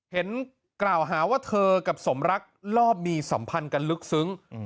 เห็นกล่าวหาว่าเธอกับสมรักรอบมีสัมพันธ์กันลึกซึ้ง